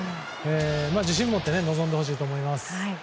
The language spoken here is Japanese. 自信を持って臨んでほしいと思います。